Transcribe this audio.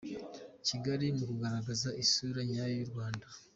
Kigali mu kugaragaza isura nyayo y’u Rwanda